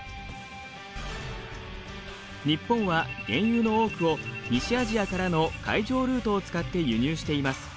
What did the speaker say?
日本は原油の多くを西アジアからの海上ルートを使って輸入しています。